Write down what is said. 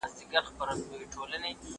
زه اجازه لرم چي سفر وکړم!.